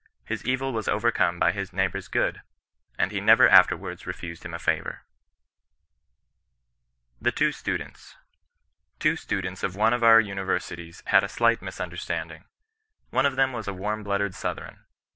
His evil was overcome by his neighbour's good, and he never afterwards refused him a favour. CHBISTIAN N0N BE8ISTANCE. 97 THE TWO STUDENTS. Two Students of one of our Universities had a slight misunderstanding. One of them was a warm blooded Southron.